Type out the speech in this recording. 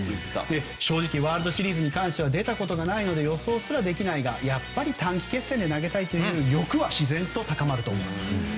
正直ワールドシリーズに関しては出たことがないので予想すらできないが短期決戦で投げたい欲は自然と高まると思うと。